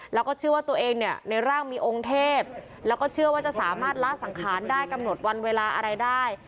แล้วก็เชื่อว่าตัวเองเนี่ยในร่างมีองค์เทพแล้วก็เชื่อว่าจะสามารถละสังขารได้กำหนดวันเวลาอะไรได้